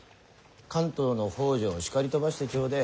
関東の北条を叱り飛ばしてちょでえ。